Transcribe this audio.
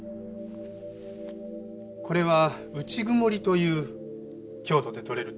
これは内曇という京都で採れる